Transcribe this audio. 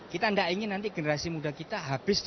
kita tidak ingin nanti generasi muda kita habis di